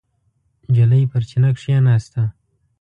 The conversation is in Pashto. نجلۍ پر چینه کېناسته.